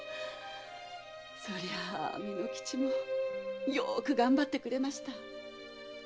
そりゃあ巳之吉もよーく頑張ってくれました。